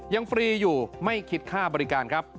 ยังฟรีอยู่ไม่คิดค่าบริการ